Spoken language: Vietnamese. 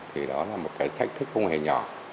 thì đó là một cái thách thức không hề nhỏ